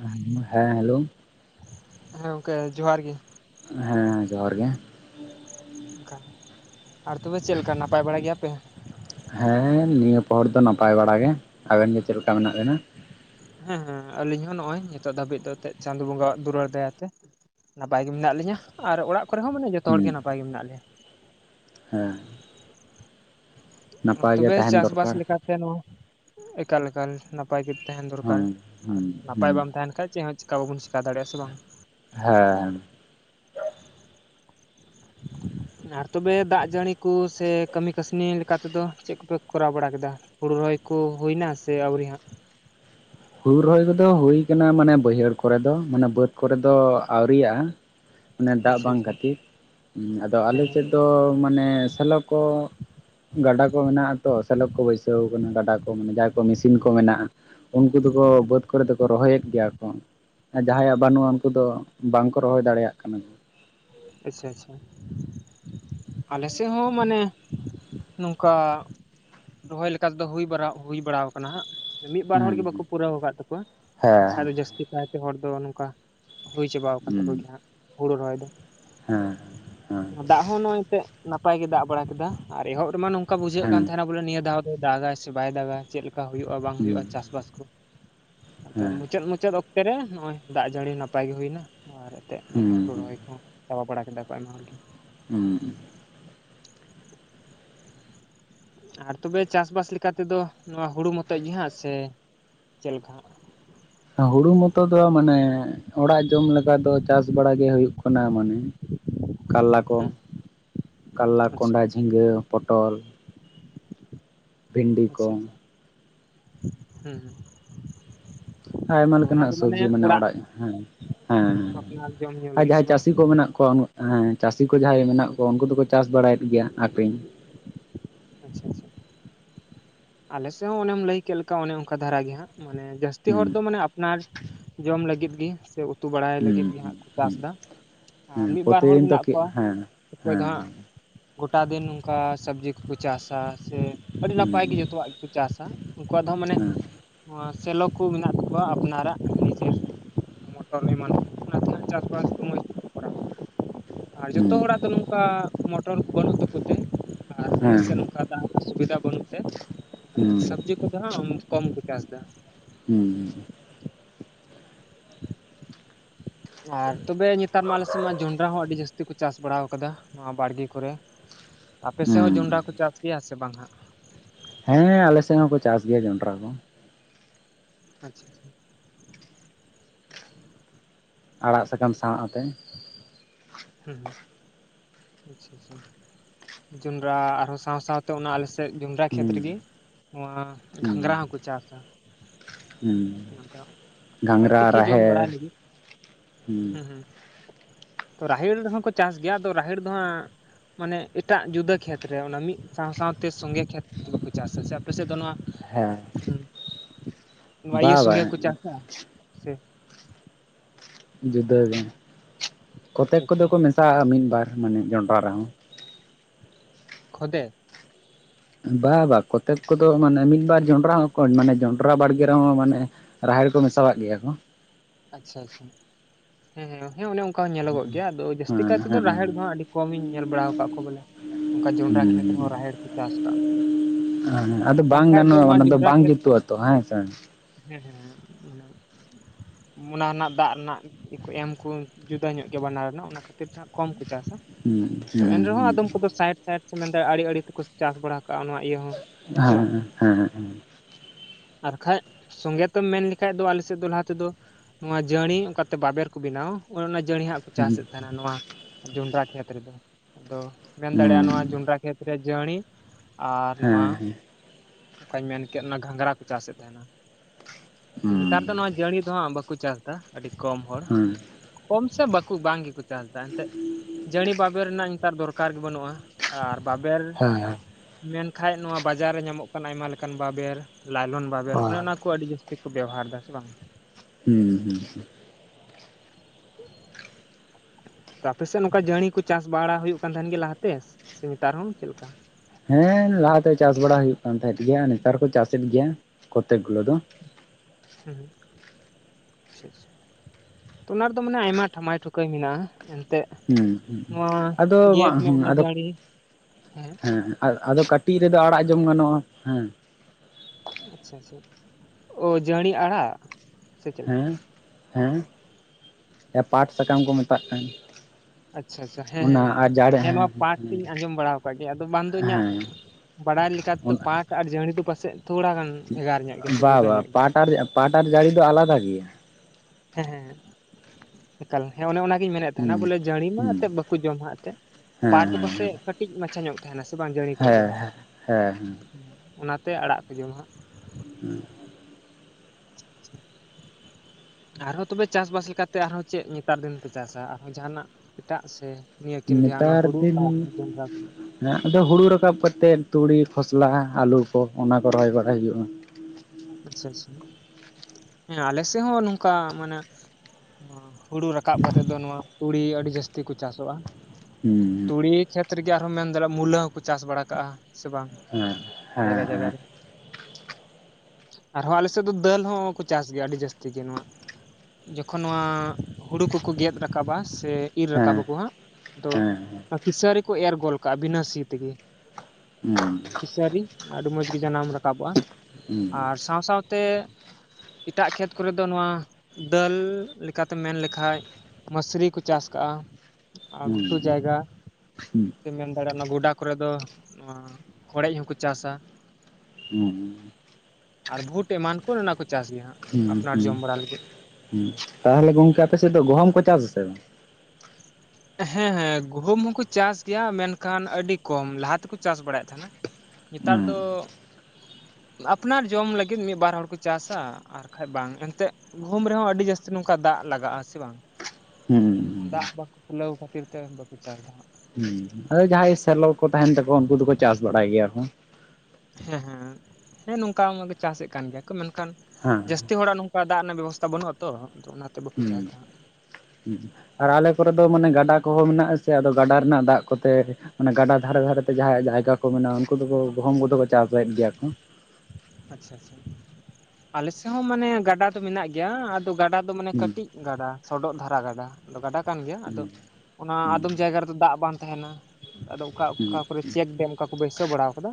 ᱦᱮᱸ ᱦᱮᱞᱳ᱾ ᱦᱮᱸ ᱜᱚᱝᱠᱮ ᱡᱚᱦᱟᱨ ᱜᱤ᱾ ᱦᱮ ᱡᱚᱦᱟᱨ ᱜᱮ᱾ ᱟᱱᱠᱟ ᱟᱨ ᱛᱚᱵᱮ ᱪᱮᱫ ᱞᱮᱠᱟ ᱱᱟᱯᱟᱭ ᱵᱟᱲᱟᱟᱭ ᱜᱮᱭᱟᱯᱮ? ᱦᱮᱸ ᱱᱤᱭᱟᱹ ᱯᱚᱦᱚᱲ ᱫᱚ ᱱᱟᱯᱟᱭ ᱵᱟᱲᱟ ᱜᱮ᱾ ᱟᱵᱮᱱ ᱜᱮ ᱪᱮᱫ ᱞᱮᱠᱟ ᱢᱮᱱᱟᱜ ᱵᱮᱱᱟ? ᱦᱮᱸ ᱦᱮᱸ ᱟᱞᱤᱧ ᱦᱚᱸ ᱱᱚᱜ-ᱚᱭ ᱱᱤᱛᱚᱜ ᱫᱷᱟᱹᱵᱤᱡ ᱫᱚ ᱮᱛᱮᱜ ᱪᱟᱸᱫᱚ ᱵᱚᱸᱜᱟᱣᱟᱜ ᱫᱩᱞᱟᱹᱲ ᱫᱟᱭᱟᱛᱮ᱾ ᱱᱟᱯᱟᱭ ᱜᱮ ᱢᱮᱱᱟᱜ ᱞᱮᱤᱧᱟᱹ ᱟᱨ ᱚᱲᱟᱜ ᱠᱚᱨᱮ ᱦᱚᱸ ᱢᱟᱱᱮ ᱡᱚᱛᱚ ᱦᱚᱲ ᱜᱮ ᱦᱩᱸ ᱱᱟᱯᱟᱭ ᱜᱮ ᱢᱮᱱᱟᱜ ᱞᱮᱭᱟ᱾ ᱱᱟᱯᱟᱭ ᱜᱮ ᱛᱚᱵᱮ ᱛᱟᱦᱮᱱ ᱪᱟᱥᱵᱟᱥ ᱫᱚᱨᱠᱟᱨ ᱞᱮᱠᱟᱛᱮ ᱱᱟᱣᱟ ᱦᱚᱸ ᱮᱠᱟᱞ ᱮᱠᱟᱞ ᱱᱟᱯᱟᱭ ᱜᱮ᱾ ᱛᱟᱦᱮᱱ ᱫᱚᱨᱠᱟᱨ ᱦᱮᱸ ᱟᱨ ᱦᱩᱸ ᱱᱟᱯᱟᱭ ᱦᱩᱸ ᱵᱟᱢ ᱛᱟᱦᱮᱱ ᱠᱷᱟᱡ ᱪᱮᱫ ᱦᱚᱸ ᱪᱮᱠᱟ ᱵᱟᱵᱚᱱ ᱪᱤᱠᱟᱹ ᱫᱟᱲᱮᱭᱟᱜᱼᱟ ᱥᱮ ᱵᱟᱝ᱾ ᱦᱮᱸ ᱟᱨ ᱛᱚᱵᱮ ᱫᱟᱜᱽ ᱡᱟᱹᱲᱤ ᱠᱚ ᱥᱮ ᱠᱟᱹᱢᱤ ᱠᱟᱹᱥᱱᱤ ᱞᱮᱠᱟᱛᱮ ᱫᱚ ᱪᱮᱜ ᱠᱚᱯᱮ ᱠᱚᱨᱟᱣ ᱵᱟᱲᱟ ᱠᱮᱫᱟ? ᱦᱩᱲᱩ ᱨᱚᱦᱚᱭ ᱠᱚ ᱦᱩᱭᱱᱟ ᱥᱮ ᱟᱹᱣᱨᱤ ᱦᱟᱸᱜ? ᱦᱩᱲᱩ ᱨᱚᱦᱚᱭ ᱠᱚᱫᱚ ᱦᱩᱭᱩ ᱠᱟᱱᱟ ᱢᱟᱱᱮ ᱵᱟᱹᱭᱦᱟᱹᱲ ᱠᱚᱨᱮ ᱫᱚ ᱢᱟᱱᱮ ᱵᱟᱹᱫᱽ ᱠᱚᱨᱮ ᱫᱚ ᱟᱣᱨᱤᱭᱟᱜᱼᱟ᱾ ᱢᱟᱱᱮ ᱫᱟᱜᱽ ᱟᱪᱪᱷᱟ ᱵᱟᱝ ᱟᱪᱪᱷᱟ ᱠᱷᱟᱹᱛᱤᱨ ᱟᱫᱚ ᱦᱮᱸ ᱟᱞᱮ ᱦᱮᱸ ᱥᱮᱜ ᱫᱚ ᱢᱟᱱᱮ ᱥᱮᱞᱚ ᱠᱚ ᱜᱟᱰᱟ ᱠᱚ ᱢᱮᱱᱟᱜᱼᱟ ᱛᱚ ᱥᱮᱞᱚᱠ ᱠᱚ ᱵᱟᱹᱭᱥᱟᱹᱣ ᱠᱟᱱᱟ ᱜᱟᱰᱟ ᱠᱚ ᱢᱟᱱᱮ ᱡᱟᱦᱟᱸᱭ ᱠᱚ ᱢᱮᱥᱤᱱ ᱠᱚ ᱢᱮᱱᱟᱜᱼᱟ᱾ ᱩᱱᱠᱩ ᱫᱚᱠᱚ ᱵᱟᱹᱫᱽ ᱠᱚᱨᱮ ᱫᱚᱠᱚ ᱨᱚᱦᱚᱭᱮᱜ ᱜᱮᱭᱟ ᱠᱚ᱾ ᱟ ᱡᱟᱦᱟᱸᱭᱟᱜ ᱵᱟᱹᱱᱩᱜᱼᱟ ᱩᱱᱠᱩ ᱫᱚ ᱵᱟᱝ ᱠᱚ ᱨᱚᱦᱚᱭ ᱫᱟᱲᱮᱭᱟᱜ ᱠᱟᱱᱟ᱾ ᱟᱪᱪᱷᱟ ᱟᱪᱪᱷᱟ, ᱟᱞᱮ ᱥᱮᱜ ᱦᱚᱸ ᱢᱟᱱᱮ ᱱᱚᱝᱠᱟ ᱨᱚᱦᱚᱭ ᱞᱮᱠᱟ ᱛᱮᱫᱚ ᱦᱩᱭ ᱵᱟᱨᱟᱣ ᱦᱩᱭ ᱵᱟᱲᱟᱣ ᱠᱟᱱᱟ ᱦᱟᱸᱜ᱾ ᱢᱤᱜᱵᱟᱨ ᱦᱚᱲᱜᱮ ᱦᱮᱸ ᱵᱟᱠᱚ ᱯᱩᱨᱟᱹᱣ ᱠᱟᱜ ᱛᱟᱠᱚᱣᱟ ᱟᱠᱷᱟᱭ ᱦᱮᱸ ᱫᱚ ᱡᱟᱹᱥᱛᱤ ᱠᱟᱭᱛᱮ ᱦᱚᱲ ᱫᱚ ᱱᱚᱝᱠᱟ, ᱦᱩᱭ ᱪᱟᱵᱟᱣ ᱠᱟᱱ ᱦᱩᱸ ᱛᱟᱠᱚ ᱜᱮᱭᱟ ᱦᱟᱸᱜ ᱦᱩᱲᱩ ᱨᱚᱦᱚᱭ ᱫᱚ᱾ ᱦᱮᱸ, ᱦᱮᱸ ᱫᱟᱜᱽ ᱦᱚᱸ ᱱᱚᱜᱼᱚᱭ ᱛᱮᱜ ᱱᱟᱯᱟᱭ ᱜᱮ ᱫᱟᱜᱽ ᱵᱟᱲᱟ ᱠᱮᱫᱟ ᱟᱨ ᱮᱦᱚᱵ ᱨᱮᱢᱟ ᱱᱚᱝᱠᱟ ᱵᱩᱡᱷᱟᱹᱜ ᱦᱮᱸ ᱠᱟᱱ ᱛᱟᱦᱮᱸᱱᱟ ᱵᱚᱞᱮ ᱱᱤᱭᱟᱹ ᱫᱷᱟᱣ [unintelligible] ᱫᱟᱜᱟᱭ ᱥᱮ ᱵᱟᱭ ᱫᱟᱜᱟ ᱪᱮᱜ ᱞᱮᱠᱟ ᱦᱩᱭᱩᱜᱼᱟ ᱵᱟᱝ ᱦᱩᱸ ᱦᱩᱭᱩᱜᱼᱟ ᱪᱟᱥᱵᱟᱥ ᱠᱚ᱾ ᱟᱫᱚ ᱦᱮᱸ ᱢᱩᱪᱟᱹᱫ ᱢᱩᱪᱟᱹᱫ ᱚᱠᱛᱮ ᱨᱮ ᱱᱚᱜᱼᱚᱭ ᱫᱟᱜᱽ ᱡᱟᱹᱲᱤ ᱱᱟᱯᱟᱭ ᱜᱮ ᱦᱩᱭᱱᱟ ᱟᱨ ᱛᱮᱜ ᱱᱚᱜᱼᱚᱭ ᱦᱩᱸ ᱦᱩᱲᱩ ᱦᱩᱸ ᱨᱚᱦᱚᱭ ᱠᱚ ᱪᱟᱵᱟ ᱵᱟᱲᱟ ᱠᱮᱫᱟ ᱠᱚ ᱟᱭᱢᱟ ᱦᱚᱲᱜᱮ᱾ ᱦᱩᱸ ᱦᱩᱸ᱾ ᱟᱨ ᱛᱚᱵᱮ ᱪᱟᱥᱵᱟᱥ ᱞᱮᱠᱟ ᱛᱮᱫᱚ ᱱᱚᱣᱟ ᱦᱩᱲᱩ ᱢᱚᱛᱚᱡ ᱜᱮᱦᱟᱸᱜ ᱥᱮ ᱪᱮᱫᱞᱮᱠᱟ ᱦᱟᱸᱜ? ᱦᱩᱲᱩ ᱢᱚᱛᱚ ᱫᱚ ᱢᱟᱱᱮ ᱚᱲᱟᱜ ᱡᱚᱢ ᱞᱮᱠᱟ ᱫᱚ ᱪᱟᱥ ᱵᱟᱲᱟ ᱜᱮ ᱦᱩᱭᱩᱜ ᱠᱟᱱᱟ ᱢᱟᱱᱮ, ᱠᱟᱨᱞᱟ ᱠᱚ ᱦᱩᱸ ᱠᱟᱨᱞᱟ ᱟᱪᱪᱷᱟ ᱠᱚᱸᱰᱟ ᱡᱷᱤᱸᱜᱟᱹ ᱯᱚᱴᱚᱞ ᱵᱷᱤᱱᱰᱤ ᱠᱚ ᱟᱪᱪᱷᱟ ᱟᱪᱪᱷᱟ ᱦᱩᱸ ᱦᱩᱸ᱾ ᱟᱭᱢᱟ ᱞᱮᱠᱟᱱᱟᱜ ᱥᱚᱵᱽᱡᱤ ᱢᱟᱱᱮ ᱚᱲᱟᱜ ᱦᱮᱸ, ᱦᱮᱸ ᱦᱮᱸ ᱦᱮᱸ᱾ ᱟᱯᱱᱟᱨ ᱡᱚᱢ ᱧᱩ ᱟᱨ ᱞᱟᱹᱜᱤᱫ ᱥᱮ ᱡᱟᱦᱟᱸᱭ ᱵᱟᱝ ᱪᱟᱹᱥᱤ ᱠᱚ ᱢᱮᱱᱟᱜ ᱠᱚᱣᱟ ᱩᱱᱟᱹᱜ ᱦᱮᱸ ᱪᱟᱹᱥᱤ ᱠᱚ ᱡᱟᱦᱟᱸᱭ ᱢᱮᱱᱟᱜ ᱠᱚᱣᱟ ᱩᱱᱠᱩ ᱫᱚᱠᱚ ᱪᱟᱥ ᱵᱟᱲᱟᱭᱮᱫ ᱜᱮᱭᱟ ᱟᱠᱷᱨᱤᱧ ᱟᱪᱪᱷᱟ ᱟᱪᱪᱷᱟ, ᱟᱞᱮᱥᱮᱜ ᱦᱚᱸ ᱚᱱᱮᱢ ᱞᱟᱹᱭ ᱠᱮᱫ ᱞᱮᱠᱟ ᱚᱱᱮ ᱚᱱᱠᱟ ᱫᱷᱟᱨᱟ ᱜᱮ ᱦᱟᱸᱜ᱾ ᱢᱟᱱᱮ ᱡᱟᱹᱥᱛᱤ ᱦᱩᱸ ᱦᱚᱲ ᱫᱚ ᱢᱟᱱᱮ ᱟᱯᱱᱟᱨ ᱡᱚᱢ ᱞᱟᱹᱜᱤᱫ ᱜᱮ ᱥᱮ ᱩ ᱛᱩ ᱵᱟᱲᱟᱭ ᱞᱟᱹᱜᱤᱫ ᱦᱩᱸ ᱜᱮ ᱦᱟᱸᱜ ᱠᱚ ᱦᱩᱸ ᱪᱟᱥ ᱫᱟ᱾ ᱟᱨ ᱦᱮᱸ ᱢᱤᱜ ᱵᱟᱨ ᱦᱚᱲ ᱯᱨᱚᱛᱤᱫᱤᱱ ᱫᱚ ᱢᱮᱱᱟᱜ ᱠᱤ ᱠᱚᱣᱟ ᱦᱮᱸ ᱚᱱᱠᱩ ᱫᱚ ᱦᱮᱸ ᱦᱟᱸᱜ ᱜᱚᱴᱟ ᱫᱤᱱ ᱱᱚᱝᱠᱟ ᱥᱚᱵᱽᱡᱤ ᱠᱚᱠᱚ ᱪᱟᱥᱟ ᱥᱮ ᱟᱹᱰᱤ ᱦᱮᱸ ᱱᱟᱯᱟᱭ ᱜᱮ ᱡᱚᱛᱚᱣᱟᱜ ᱜᱮ, ᱪᱟᱥᱟ ᱩᱱᱠᱩᱣᱟᱜ ᱫᱷᱚ ᱢᱟᱱᱮ, ᱦᱮᱸ ᱱᱚᱣᱟ ᱥᱮᱞᱚ ᱠᱚ ᱢᱮᱱᱟᱜ ᱛᱟᱠᱚᱣᱟ ᱟᱯᱱᱟᱨᱟᱜ ᱱᱤᱡᱮᱨ ᱢᱚᱴᱚᱨ ᱮᱢᱟᱱ ᱠᱚ ᱚᱱᱟ ᱛᱟᱱᱟᱜ ᱪᱟᱥᱵᱟᱥ ᱢᱚᱡᱽ ᱛᱮᱠᱚ ᱠᱚᱨᱟᱣᱟ ᱟᱨ ᱡᱚᱛᱚ ᱦᱩᱸ ᱦᱚᱲᱟᱜ ᱱᱚᱝᱠᱟ ᱢᱚᱴᱚᱨ ᱠᱚ ᱵᱟᱹᱱᱩᱜ ᱛᱟᱠᱚ ᱛᱮ ᱟᱨ ᱢᱟᱱᱮ ᱥᱮᱜ ᱦᱮᱸ ᱱᱚᱝᱠᱟ ᱫᱟᱜᱽ ᱥᱩᱵᱤᱫᱟ ᱵᱟᱹᱱᱩᱜ ᱛᱮ ᱢᱟᱱᱮ ᱦᱩᱸ ᱥᱚᱵᱽᱡᱤ ᱚᱱᱠᱩ ᱫᱚ ᱦᱟᱸᱜ ᱠᱚᱢ ᱠᱚ ᱪᱟᱥ ᱫᱟ᱾ ᱦᱩᱸ ᱦᱩᱸ ᱦᱩᱸ᱾ ᱟᱨ ᱛᱚᱵᱮ ᱱᱮᱛᱟᱨ ᱢᱟ ᱟᱞᱮ ᱥᱮᱫ ᱢᱟ ᱡᱚᱱᱰᱨᱟ ᱦᱚᱸ ᱟᱹᱰᱤ ᱡᱟᱹᱥᱛᱤ ᱠᱚ ᱪᱟᱥ ᱵᱟᱲᱟᱣ ᱠᱟᱫᱟ ᱱᱚᱣᱟ ᱵᱟᱲᱜᱮ ᱠᱚᱨᱮ, ᱟᱯᱮ ᱥᱮᱜ ᱦᱩᱸ ᱦᱚᱸ ᱡᱚᱱᱰᱨᱟ ᱠᱚ ᱪᱟᱥ ᱜᱮᱭᱟ ᱥᱮ ᱵᱟᱝ ᱦᱟᱸᱜ? ᱦᱮᱸ ᱟᱞᱮᱥᱮᱜ ᱦᱚᱸᱠᱚ ᱪᱟᱥ ᱜᱮᱭᱟ ᱡᱚᱱᱰᱨᱟ ᱠᱚ᱾ ᱟᱪᱪᱷᱟ ᱟᱪᱪᱷᱟ᱾ ᱟᱲᱟᱜ ᱥᱟᱠᱟᱢ ᱥᱟᱶ ᱟᱛᱮ ᱦᱩᱸ ᱦᱩᱸ ᱟᱪᱪᱷᱟ ᱟᱪᱪᱷᱟ, ᱡᱚᱸᱱᱰᱨᱟ ᱟᱨᱦᱚᱸ ᱥᱟᱶ ᱼᱥᱟᱶᱛᱮ ᱚᱱᱟ ᱟᱞᱮ ᱥᱮ ᱡᱚᱸᱱᱰᱨᱟ ᱠᱷᱮᱛ ᱦᱩᱸ ᱨᱮᱜᱤ ᱱᱚᱣᱟ ᱦᱩᱸ ᱜᱷᱟᱸᱜᱽᱨᱟ ᱦᱚᱸ ᱠᱚ ᱪᱟᱥᱟ᱾ ᱦᱩᱸ ᱱᱚᱝᱠᱟ, ᱚᱱᱟᱫᱚ ᱜᱷᱟᱸᱝᱨᱟ ᱛᱤᱠᱤ ᱡᱚᱢ ᱵᱟᱲᱟ ᱨᱟᱦᱮᱲ ᱞᱟᱹᱜᱤᱫ, ᱦᱩᱸ ᱦᱩᱸ᱾ ᱛᱚ ᱨᱟᱦᱮᱲ ᱦᱚᱸ ᱠᱚ ᱪᱟᱥ ᱜᱮᱭᱟ ᱟᱫᱚ ᱨᱟᱦᱮᱲ ᱫᱚ ᱦᱟᱸᱜ ᱢᱟᱱᱮ ᱮᱴᱟᱜ ᱡᱩᱫᱟᱹ ᱠᱷᱮᱛ ᱨᱮ ᱚᱱᱟ ᱢᱤᱫ ᱥᱟᱶ ᱥᱟᱶ ᱛᱮ ᱥᱚᱸᱜᱮ ᱠᱷᱮᱛ ᱛᱚ ᱵᱟᱠᱚ ᱪᱟᱥᱟ ᱥᱮ ᱟᱯᱮ ᱥᱮᱫ ᱫᱚ ᱱᱚᱣᱟ ᱦᱮᱸ᱾ ᱦᱩᱸ᱾ ᱱᱚᱣᱟ ᱤᱭᱟᱹ ᱵᱟ ᱵᱟ ᱥᱚᱸᱜᱮ ᱠᱚ ᱪᱟᱥᱟ? ᱥᱮ ᱡᱩᱫᱟᱹ ᱜᱮ, ᱠᱚᱛᱮᱠ ᱟᱪᱪᱷᱟ ᱟᱪᱪᱷᱟ ᱠᱚᱫᱚ ᱠᱚ ᱢᱮᱥᱟᱣᱟᱜᱼᱟ ᱢᱤᱫ ᱵᱟᱨ ᱢᱟᱱᱮ ᱡᱚᱸᱱᱰᱨᱟ ᱨᱮᱦᱚᱸ᱾ ᱠᱷᱚᱫᱮ? ᱵᱟ ᱵᱟ ᱠᱚᱛᱮᱠ ᱠᱚᱫᱚ ᱢᱟᱱᱮ ᱢᱤᱫ ᱵᱟᱨ ᱡᱚᱸᱱᱰᱨᱟ ᱦᱚᱸ ᱠᱚ ᱢᱟᱱᱮ ᱡᱚᱸᱰᱨᱟ ᱵᱟᱲᱜᱮ ᱨᱮᱦᱚᱸ ᱢᱟᱱᱮ ᱨᱟᱦᱮᱲ ᱠᱚ ᱢᱮᱥᱟᱣᱟᱜ ᱜᱮᱭᱟ ᱠᱚ᱾ ᱟᱪᱷᱟ ᱟᱪᱷᱟ, ᱦᱮᱸ ᱦᱮᱸ, ᱦᱮᱸ ᱚᱱᱮ ᱚᱱ ᱠᱟ ᱧᱮᱞᱚᱜᱚᱜ ᱜᱮᱭᱟ ᱟᱫᱚ ᱡᱟᱹᱥᱛᱤ ᱦᱮᱸ ᱠᱟᱭ ᱛᱮᱫᱚ ᱦᱮᱸ ᱨᱟᱦᱮᱲ ᱫᱚ ᱦᱟᱸᱜ ᱟᱹᱰᱤ ᱠᱚᱢ ᱤᱧ ᱧᱮᱞ ᱵᱟᱲᱟᱣ ᱟᱠᱟᱫ ᱠᱚ ᱵᱚᱞᱮ ᱚᱱᱠᱟ ᱡᱚᱸᱱᱰᱨᱟ ᱠᱷᱮᱛ ᱨᱮᱦᱚᱸ ᱨᱟᱦᱮᱲ ᱠᱚ ᱪᱟᱥ ᱠᱟᱜ-ᱟ᱾ ᱦᱮᱸ ᱟᱫᱚ ᱵᱟᱝ ᱜᱟᱱᱚᱜᱼᱟ ᱚᱱᱟ ᱫᱚ ᱡᱚᱱᱰᱨᱟ ᱵᱟᱝ ᱠᱷᱮᱛ ᱡᱩᱛᱩᱜ-ᱟ ᱛᱚ ᱦᱮᱸ ᱥᱮ᱾ ᱦᱮᱸ ᱦᱮᱸ ᱚᱱᱮ ᱚᱱᱟ ᱨᱮᱱᱟᱜ ᱫᱟᱜ ᱨᱮᱱᱟᱜ ᱠᱚ ᱮᱢ ᱠᱩ ᱡᱩᱫᱟᱹ ᱧᱚᱜ ᱜᱮᱭᱟ ᱵᱟᱱᱟᱨ ᱨᱮᱱᱟᱜ ᱚᱱᱟ ᱠᱷᱟᱹᱛᱤᱨ ᱛᱮ ᱦᱟᱸᱜ ᱠᱚᱢ ᱠᱚ ᱪᱟᱥᱟ, ᱦᱩᱸ ᱟᱫᱚ ᱦᱩᱸ ᱮᱱ ᱨᱮᱦᱚᱸ ᱦᱩᱸ ᱟᱫᱚ ᱩᱱᱠᱩᱫᱚ ᱥᱟᱭᱤᱰ ᱥᱟᱭᱤᱰ ᱥᱮ ᱢᱮᱱᱫᱚ ᱟᱲᱤ ᱟᱲᱤ ᱛᱮᱠᱚ ᱪᱟᱥ ᱵᱟᱲᱟ ᱟᱠᱟᱜᱼᱟ ᱱᱚᱣᱟ ᱤᱭᱟᱹ ᱦᱚᱸ ᱥᱮ ᱵᱟᱝ ᱦᱮᱸ ᱦᱮᱸ᱾ ᱟᱨ ᱠᱟᱷᱡ ᱥᱚᱝᱜᱮ ᱛᱮᱢ ᱢᱮᱱ ᱞᱮᱠᱷᱟᱡ ᱫᱚ ᱟᱞᱮ ᱥᱮᱫ ᱫᱚ ᱞᱟᱦᱟ ᱛᱮᱫᱚ ᱱᱚᱣᱟ ᱡᱟᱺᱲᱤ ᱚᱱᱠᱟ ᱛᱮ ᱵᱟᱵᱮᱨ ᱠᱚ ᱵᱮᱱᱟᱣᱟ ᱚᱱᱮ ᱚᱱᱟ ᱡᱟᱺᱲᱤ ᱦᱟᱸᱜ ᱠᱚ ᱪᱟᱥᱮᱫ ᱛᱟᱦᱮᱱᱟ ᱱᱚᱣᱟ ᱡᱚᱸᱱᱰᱨᱟ ᱠᱷᱮᱛ ᱨᱮᱫᱚ, ᱟᱫᱚ ᱢᱮᱱ ᱦᱩᱸ ᱫᱟᱲᱮᱭᱟᱜᱼᱟ ᱱᱚᱣᱟ ᱡᱚᱸᱱᱰᱨᱟ ᱠᱷᱮᱛ ᱨᱮ ᱡᱟᱺᱲᱤ ᱟᱨ ᱱᱚᱣᱟ ᱦᱮᱸ ᱚᱠᱟᱧ ᱢᱮᱱ ᱠᱮᱫ ᱚᱱᱟ ᱜᱷᱟᱸᱜᱽᱨᱟ ᱠᱚ ᱪᱟᱥ ᱮᱫ ᱛᱟᱦᱮᱱᱟ᱾ ᱟᱫᱚ ᱦᱩᱸ ᱧᱮᱛᱟᱨ ᱫᱚ ᱱᱚᱣᱟ ᱡᱟᱺᱲᱤ ᱫᱚ ᱦᱟᱸᱜ ᱵᱟᱠᱚ ᱪᱟᱥ ᱫᱟ ᱟᱹᱰᱤ ᱠᱚᱢ ᱦᱚᱲ ᱦᱩᱸ ᱠᱚᱢ ᱥᱮ ᱵᱟᱠᱩ ᱵᱟᱝ ᱜᱮᱠᱚ ᱪᱟᱥ ᱮᱫᱟ ᱮᱱᱛᱮᱫ, ᱡᱟᱹᱲᱤ ᱵᱟᱵᱮᱨ ᱨᱮᱱᱟᱜ ᱱᱮᱛᱟᱨ ᱫᱚᱨᱠᱟᱨ ᱜᱮ ᱵᱟᱹᱱᱩᱜᱼᱟ᱾ ᱟᱨ ᱵᱟᱵᱮᱨ ᱦᱮᱸ ᱦᱳᱭ ᱢᱮᱱᱠᱷᱟᱡ ᱱᱚᱣᱟ ᱵᱟᱡᱟᱨ ᱨᱮ ᱧᱟᱢᱚᱜ ᱠᱟᱱᱟ ᱟᱭᱢᱟ ᱞᱮᱠᱟᱱ ᱵᱟᱵᱮᱨ ᱞᱟᱭᱞᱚᱱ ᱵᱟᱵᱮᱨ ᱚᱱᱮ ᱦᱩᱸ ᱚᱱᱟ ᱠᱚ ᱟᱹᱰᱤ ᱡᱟᱹᱥᱛᱤ ᱠᱚ ᱵᱮᱣᱦᱟᱨ ᱮᱫᱟ ᱥᱮ ᱵᱟᱝ? ᱦᱩᱸ ᱦᱩᱸ ᱦᱩᱸ᱾ [inaudible] ᱛᱚ ᱟᱯᱮ ᱥᱮᱫ ᱱᱚᱝᱠᱟ ᱡᱟᱹᱲᱤ ᱠᱚ ᱪᱟᱥ ᱵᱟᱲᱟ ᱦᱩᱭᱩᱜ ᱠᱟᱱ ᱛᱟᱦᱮᱱ ᱜᱮᱭᱟ ᱞᱟᱦᱟᱛᱮ ᱥᱮ ᱱᱮᱛᱟᱨ ᱦᱚᱸ ᱪᱮᱫ ᱞᱮᱠᱟ? ᱦᱮᱸ ᱞᱟᱦᱟᱛᱮ ᱪᱟᱥ ᱵᱟᱲᱟ ᱦᱩᱭᱩᱜ ᱠᱟᱱ ᱛᱟᱦᱮᱸᱫ ᱜᱮᱭᱟ ᱱᱮᱛᱟᱨ ᱦᱚᱠᱚ ᱪᱟᱥᱮᱫ ᱜᱮᱭᱟ ᱠᱚᱛᱮᱠ ᱜᱩᱞᱟᱹ ᱫᱚ᱾ ᱦᱩᱸ ᱦᱩᱸ, ᱟᱪᱪᱷᱟ᱾ ᱛᱚ ᱚᱱᱟ ᱨᱮᱫᱚ ᱢᱟᱱᱮ ᱟᱭᱢᱟ ᱴᱷᱟᱢᱟᱭ ᱴᱷᱩᱠᱟᱹᱭ ᱢᱮᱱᱟᱜᱼᱟ ᱮᱱᱛᱮᱫ᱾ ᱦᱩᱸ, ᱦᱩᱸ ᱦᱩᱸ ᱱᱚᱣᱟ ᱟᱫᱚ ᱢᱟ ᱜᱮᱫ ᱧᱚᱜ ᱦᱩᱸ ᱚᱱᱟ ᱟᱫᱚ ᱡᱟᱹᱲᱤ ᱦᱮᱸ ᱦᱮᱸ᱾ ᱟᱨ ᱟᱫᱚ ᱠᱟᱹᱴᱤᱡ ᱨᱮᱫᱚ ᱟᱲᱟᱜ ᱡᱚᱢ ᱜᱟᱱᱚᱜᱼᱟ, ᱦᱮᱸ᱾ ᱟᱪᱪᱷᱟ ᱟᱪᱪᱷᱟ, ᱚᱸ ᱡᱟᱺᱲᱤ ᱟᱲᱟᱜ? ᱥᱮ ᱪᱮᱫ ᱞᱮᱠᱟ ᱦᱮᱸ? ᱦᱮᱸ? ᱮ ᱯᱟᱴ ᱥᱟᱠᱟᱢ ᱟᱪᱪᱷᱟ ᱠᱚ ᱢᱮᱛᱟᱜ ᱠᱟᱱ᱾ ᱟᱪᱪᱷᱟ ᱟᱪᱪᱷᱟ ᱦᱮᱸ ᱚᱱᱟ ᱦᱮᱸ ᱦᱮᱸ, ᱟᱨ ᱡᱟᱲᱮ ᱦᱮᱸ ᱱᱚᱣᱟ ᱯᱟᱴ ᱤᱧ ᱟᱸᱧᱡᱚᱢ ᱵᱟᱲᱣ ᱟᱠᱟᱫ ᱜᱮᱭᱟ ᱟᱫᱚ ᱵᱟᱝ ᱫᱚ ᱤᱧᱟᱹᱜ ᱦᱮᱸ ᱵᱟᱰᱟᱭ ᱞᱮᱠᱟ ᱛᱮᱫᱚ ᱯᱟᱴ ᱟᱨ ᱡᱟᱺᱲᱤ ᱫᱚ ᱯᱟᱥᱮᱡ ᱛᱷᱚᱲᱟ ᱜᱟᱱ ᱵᱷᱮᱜᱟᱨ ᱧᱚᱜ ᱜᱮᱭᱟ ᱥᱮ ᱵᱟ ᱡᱩᱫᱟᱹ ᱵᱟ ᱧᱚᱜ ᱜᱮᱭᱟ᱾ ᱯᱟᱴ ᱟᱨ ᱯᱟᱴ ᱟᱨ ᱡᱟᱹᱲᱤ ᱫᱚ ᱟᱞᱟᱫᱟ ᱜᱮᱭᱟ᱾ ᱦᱮᱸ ᱦᱮᱸ ᱦᱮᱸ᱾ ᱮᱠᱟᱞ ᱦᱮᱸ ᱚᱱᱮ ᱚᱱᱟᱜᱤᱧ ᱢᱮᱱᱮᱫ ᱦᱩᱸ ᱛᱟᱦᱮᱱᱟ ᱵᱚᱞᱮ ᱡᱟᱺᱲᱤ ᱢᱟ ᱦᱩᱸ ᱮᱱᱛᱮᱫ ᱵᱟᱠᱚ ᱡᱚᱢᱟ ᱦᱟᱸᱜ ᱮᱱᱛᱮᱜ ᱯᱟᱴ ᱫᱚ ᱦᱮᱸ ᱦᱮᱸ ᱯᱟᱥᱮᱡ ᱠᱟᱹᱴᱤᱡ ᱢᱟᱪᱷᱟ ᱧᱚᱜ ᱛᱟᱦᱮᱱᱟ ᱥᱮ ᱵᱟᱝ ᱡᱟᱹᱲᱤ ᱠᱷᱚᱡ ᱫᱚ᱾ ᱦᱮᱸ ᱦᱮᱸ ᱚᱱᱟᱛᱮ ᱟᱲᱟᱜ ᱠᱚ ᱡᱚᱢᱟ ᱦᱟᱸᱜ᱾ ᱦᱩᱸ᱾ [unintelligible] ᱟᱨᱦᱚᱸ ᱛᱚᱵᱮ ᱪᱟᱥ-ᱵᱟᱥ ᱞᱮᱠᱟᱛᱮ ᱟᱨᱦᱚᱸ ᱪᱮᱫ ᱱᱮᱛᱟᱨ ᱫᱤᱱ ᱯᱮ ᱪᱟᱥᱟ? ᱟᱨᱦᱚᱸ ᱡᱟᱦᱟᱱᱟᱜ ᱮᱴᱟᱜ ᱥᱮ ᱱᱤᱭᱟᱹ ᱠᱤᱱ ᱜᱮᱭᱟ ᱟᱨ ᱱᱚᱣᱟ ᱱᱮᱛᱟᱨ ᱦᱩᱲᱩ ᱫᱤᱱ ᱦᱚᱸ ᱡᱚᱸᱱᱰᱨᱟ [unintelligible] ᱦᱮᱸ ᱟᱫᱚ ᱦᱩᱲᱩ ᱨᱟᱠᱟᱵ ᱠᱟᱛᱮᱫ ᱛᱩᱲᱤ, ᱠᱷᱚᱥᱞᱟ, ᱟᱹᱞᱩ ᱠᱚ ᱚᱱᱟ ᱠᱚ ᱨᱚᱦᱚᱭ ᱵᱟᱲᱟᱭ ᱦᱩᱭᱩᱜᱼᱟ᱾ ᱟᱪᱪᱷᱟ ᱟᱪᱪᱷᱟ ᱦᱮᱸ ᱟᱞᱮ ᱥᱮᱫ ᱦᱚᱸ ᱱᱚᱝᱠᱟ ᱢᱟᱱᱮ ᱱᱚᱣᱟ ᱦᱩᱲᱩ ᱨᱟᱠᱟᱵ ᱠᱟᱛᱮᱫ ᱫᱚ ᱱᱚᱣᱟ ᱛᱩᱲᱤ ᱟᱹᱰᱤ ᱡᱟᱹᱥᱛᱤ ᱠᱚ ᱪᱟᱥᱚᱜᱼᱟ᱾ ᱦᱩᱸ ᱦᱩᱸ᱾ ᱛᱩᱲᱤ ᱠᱷᱮᱛ ᱨᱮᱜᱮ ᱟᱨᱦᱚᱢ ᱢᱮᱱ ᱫᱟᱲᱮᱭᱟᱜ-ᱟ ᱢᱩᱞᱟᱹ ᱦᱚᱸᱠᱚ ᱪᱟᱥ ᱵᱟᱲᱟ ᱠᱟᱜᱼᱟ ᱥᱮ ᱵᱟᱝ? ᱦᱮᱸ ᱡᱟᱭᱜᱟ ᱦᱮᱸ ᱡᱟᱭᱜᱟ ᱦᱮᱸ᱾ ᱨᱮ ᱟᱨᱦᱚᱸ ᱟᱞᱮ ᱥᱮᱫ ᱫᱚ ᱫᱟᱹᱞ ᱦᱚᱸᱠᱚ ᱪᱟᱥ ᱜᱮᱭᱟ ᱟᱹᱰᱤ ᱡᱟᱹᱥᱛᱤ ᱜᱮ ᱱᱚᱣᱟᱼᱼ ᱡᱚᱠᱷᱚᱱ ᱱᱚᱣᱟ ᱦᱩᱲᱩ ᱠᱚᱠᱚ ᱜᱮᱫ ᱨᱟᱠᱟᱵᱟ ᱥᱮ ᱤᱨ ᱦᱮᱸ ᱨᱟᱠᱟᱵᱟᱠᱚ ᱦᱟᱸᱜ ᱛᱚ ᱦᱮᱸ ᱠᱤᱥᱟᱹᱨᱤ ᱠᱚ ᱮᱨ ᱜᱚᱫ ᱠᱟᱜᱼᱟ ᱵᱤᱱᱟᱹ ᱥᱤ ᱛᱮᱜᱮ᱾ ᱦᱮᱸ ᱠᱮᱥᱟᱹᱨᱤ ᱟᱹᱰᱤ ᱢᱚᱡᱽ ᱜᱮ ᱡᱟᱱᱟᱢ ᱨᱟᱠᱟᱵᱚᱜᱼᱟ᱾ ᱦᱩᱸ ᱟᱨ ᱥᱟᱶ ᱥᱟᱶᱛᱮ ᱮᱴᱟᱜ ᱠᱷᱮᱛ ᱠᱚᱨᱮ ᱫᱚ ᱱᱚᱣᱟ ᱫᱟᱹᱞ ᱞᱮᱠᱟᱛᱮᱢ ᱢᱮᱱ ᱞᱮᱠᱷᱟᱭᱼᱼ ᱢᱟᱥᱨᱤ ᱠᱚ ᱪᱟᱥ ᱠᱟᱜᱼᱟ ᱟᱨ ᱜᱷᱩᱴᱩ ᱦᱩᱸ ᱡᱟᱭᱜᱟ ᱦᱩᱸ ᱥᱮᱢ ᱫᱟᱲᱮᱭᱟᱜ ᱚᱱᱟ ᱜᱳᱰᱟᱼᱼ ᱠᱚᱨᱮ ᱫᱚ ᱱᱚᱣᱟ ᱦᱚᱲᱮᱡ ᱦᱚᱸᱠᱚ ᱪᱟᱥᱟ᱾ ᱦᱩᱸ ᱦᱩᱸ᱾ ᱟᱨ ᱵᱷᱩᱴ ᱮᱢᱟᱱ ᱠᱚ ᱨᱮᱱᱟᱜ ᱠᱚ ᱪᱟᱥ ᱜᱮᱭᱟ ᱦᱟᱜ᱾ ᱦᱮᱸ ᱦᱮᱸ ᱦᱮᱸ ᱛᱟᱦᱚᱞᱮ ᱜᱚᱝᱠᱮ ᱟᱯᱮᱥᱮᱫ ᱫᱚ ᱜᱚᱦᱚᱢ ᱠᱚ ᱪᱟᱥ ᱟᱥᱮ ᱵᱟᱝ? ᱦᱮᱸ ᱦᱮᱸ ᱜᱩᱦᱩᱢ ᱦᱚᱸᱠᱚ ᱪᱟᱥ ᱜᱮᱭᱟ ᱢᱮᱱᱠᱷᱟᱱ ᱟᱹᱰᱤ ᱠᱚᱢ ᱞᱟᱦᱟ ᱛᱮᱠᱚ ᱪᱟᱥ ᱵᱟᱲᱟᱭᱮᱫ ᱛᱟᱦᱮᱸᱱᱟ? ᱱᱮᱛᱟᱨ ᱦᱩᱸ ᱫᱚ ᱟᱯᱱᱟᱨ ᱡᱚᱢ ᱞᱟᱹᱜᱤᱫ ᱢᱤᱫ ᱵᱟᱨ ᱦᱚᱲ ᱠᱚ ᱪᱟᱥᱟ᱾ ᱟᱨᱠᱟᱠᱷᱟᱡ ᱵᱟᱝ ᱮᱱᱛᱮᱫ ᱜᱩᱦᱩᱢ ᱨᱮᱦᱚᱸ ᱟᱹᱰᱤ ᱡᱟᱹᱥᱛᱤ ᱱᱚᱝᱠᱟ ᱫᱟᱜ ᱞᱟᱜᱟᱜᱼᱟ ᱥᱮ ᱵᱟᱝ? ᱦᱩᱸ ᱟᱫᱚ ᱦᱩᱸ ᱫᱟᱜ ᱵᱟᱠᱚ ᱯᱷᱩᱞᱟᱹᱣ ᱠᱷᱟᱹᱛᱤᱨ ᱛᱮ ᱵᱟᱠᱚ ᱪᱟᱥᱫᱟ᱾ ᱦᱮᱸ ᱟᱫᱚ ᱡᱟᱦᱟᱸᱭ ᱜᱮ ᱥᱮᱞᱚ ᱠᱚ ᱛᱟᱦᱮᱱ ᱛᱟᱠᱚᱣᱟ ᱩᱱᱠᱩ ᱫᱚᱠᱚ ᱪᱟᱥ ᱵᱟᱲᱟᱭ ᱜᱮᱭᱟ ᱟᱨ ᱦᱚ᱾ ᱦᱮᱸ ᱦᱮᱸ ᱦᱮᱸ ᱱᱚᱝᱠᱟ ᱪᱟᱥᱮᱫ ᱠᱟᱱ ᱜᱮᱭᱟ ᱠᱚ ᱢᱮᱱᱠᱷᱟᱱ ᱦᱮᱸ ᱡᱟᱹᱥᱛᱤ ᱦᱚᱲᱟᱜ ᱱᱚᱝᱠᱟᱼᱼ ᱱᱚᱝᱠᱟ ᱫᱟᱜ ᱨᱮᱱᱟᱜ ᱵᱮᱵᱚᱥᱛᱟ ᱵᱟᱹᱱᱩᱜ ᱟᱛᱚ ᱟᱫᱚ ᱚᱱᱟᱛᱮᱼᱼ ᱦᱩ ᱦᱩ᱾ ᱟᱨ ᱟᱞᱮ ᱠᱚᱨᱮ ᱫᱚ ᱢᱟᱱᱮ ᱜᱟᱰᱟ ᱠᱚᱦᱚᱸ ᱢᱮᱱᱟᱜ ᱟᱥᱮ ᱟᱫᱚ ᱜᱟᱰᱟ ᱨᱮᱱᱟᱜ ᱫᱟᱜ ᱠᱚᱛᱮ᱾ ᱚᱱᱟ ᱜᱟᱰᱟ ᱫᱷᱟᱨᱮ ᱫᱷᱟᱨᱮ ᱛᱮ ᱡᱟᱦᱟᱸ ᱡᱟᱭᱜᱟ ᱠᱚ ᱢᱮᱱᱟᱜᱼᱟ ᱩᱱᱠᱩ ᱫᱚᱠᱚ ᱜᱩᱦᱩᱢ ᱠᱚᱫᱚ ᱠᱚ ᱪᱟᱥᱮᱫ ᱜᱮᱭᱟ ᱠᱚ᱾ ᱟᱪᱪᱷᱟ ᱟᱪᱪᱷᱟ ᱟᱞᱮ ᱥᱮᱫ ᱦᱚᱸ ᱢᱟᱱᱮ ᱜᱟᱰᱟ ᱫᱚ ᱢᱮᱱᱟᱜ ᱜᱮᱭᱟ ᱟᱨ ᱛᱚ ᱜᱟᱰᱟ ᱫᱚ ᱢᱟᱱᱮ ᱦᱩᱸ ᱠᱟᱹᱴᱤᱡ ᱜᱟᱰᱟ ᱥᱚᱰᱚᱜ ᱫᱷᱟᱨᱟ ᱜᱟᱰᱟ᱾ ᱟᱫᱚ ᱜᱟᱰᱟ ᱠᱟᱱ ᱜᱮᱭᱟ ᱟᱫᱚ ᱦᱩᱸ ᱚᱱᱟ ᱟᱫᱚᱢ ᱡᱟᱭᱜᱟ ᱨᱮᱫᱚ ᱫᱟᱜ ᱵᱟᱝ ᱛᱟᱦᱮᱱᱟ. ᱾ ᱟᱫᱚ ᱚᱠᱟ ᱚᱠᱟ ᱠᱚᱨᱮ ᱪᱮᱠ ᱰᱮᱢ ᱚᱠᱟ ᱠᱚ ᱵᱟᱹᱭᱥᱟᱹᱣ ᱵᱟᱲᱟ ᱟᱠᱟᱫᱟ